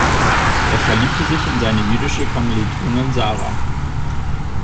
Er verliebt sich in seine jüdische Kommilitonin Sara.